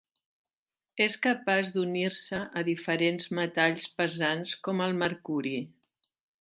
És capaç d'unir-se a diferents metalls pesants com el mercuri.